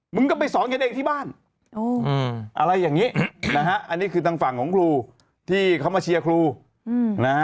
มึงก็ไปสอนกันเองที่บ้าน